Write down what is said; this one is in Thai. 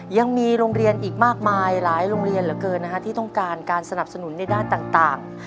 ยังมีโรงเรียนอีกมากมายหลายโรงเรียนเหลือเกินที่ต้องการการสนับสนุนในด้านต่าง